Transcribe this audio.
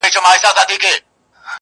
ورځ به تېره په مزلونو چي به شپه سوه!!